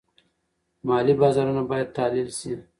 مالي بازارونه باید تحلیل شي.